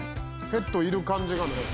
ペットいる感じがない。